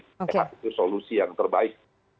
itu solusi yang terbaik